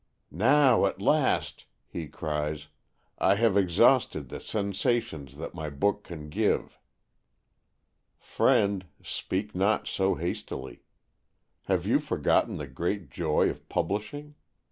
"Now, at last," he cries, "I have exhausted the sensations that my book can give!" Friend, speak not so hastily. Have you forgotten the great joy of publishing?